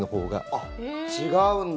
あ、違うんだ。